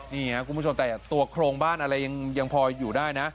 นี่ครับคุณผู้ชมแต่ตัวโครงบ้านอะไรยังพออยู่ได้นะ